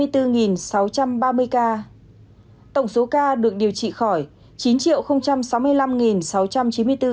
tổng số ca được điều trị khỏi chín sáu mươi năm sáu trăm chín mươi bốn ca